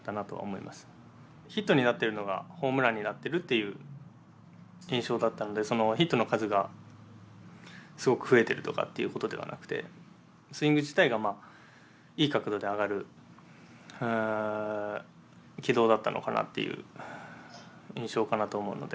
ヒットになってるのがホームランになってるっていう印象だったのでヒットの数がすごく増えてるとかっていうことではなくてスイング自体がいい角度で上がる軌道だったのかなっていう印象かなと思うので。